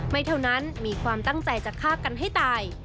ไม่เท่านั้นมีความตั้งใจจะฆ่ากันให้ตาย